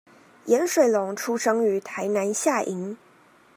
顏水龍出生於台南下營